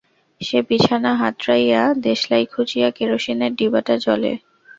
সে বিছানা হাতড়াইয়া দেশলাই খুঁজিয়া কেরোসিনের ডিবাটা জ্বলে।